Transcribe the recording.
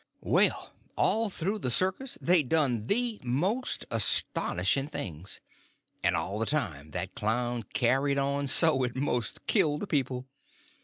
Well, all through the circus they done the most astonishing things; and all the time that clown carried on so it most killed the people.